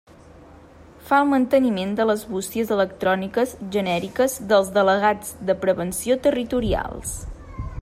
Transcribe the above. Fa el manteniment de les bústies electròniques genèriques dels delegats de prevenció territorials.